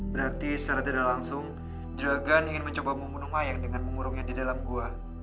berarti secara tidak langsung dragan ingin mencoba membunuh mayang dengan mengurungnya di dalam gua